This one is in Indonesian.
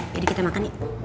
jadi kita makan yuk